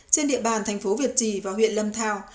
trên địa bàn thành phố việt trì và huyện lâm thao